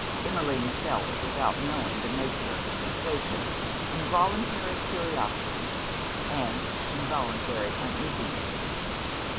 Emmeline felt, without knowing the nature of the sensation, involuntary curiosity and involuntary uneasiness.